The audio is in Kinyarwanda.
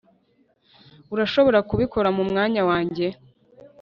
urashobora kubikora mu mwanya wanjye?